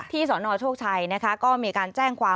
ที่สนโชคชัยก็มีการแจ้งความ